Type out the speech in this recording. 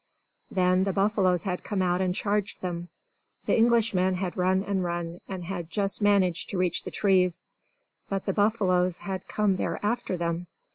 Then the buffaloes had come out and charged them. The Englishmen had run and run, and had just managed to reach the trees. But the buffaloes had come there after them!